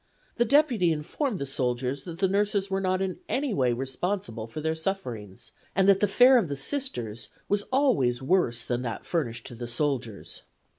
The deputy informed the soldiers that the nurses were not in any way responsible for their sufferings, and that the fare of the Sisters was always worse than that furnished to the soldiers.